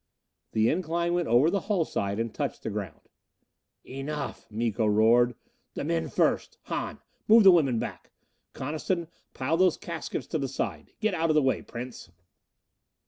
The incline went over the hull side and touched the ground. "Enough!" Miko roared. "The men first. Hahn, move the women back! Coniston, pile those caskets to the side. Get out of the way, Prince."